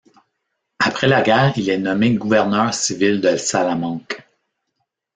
Après la guerre il est nommé gouverneur civil de Salamanque.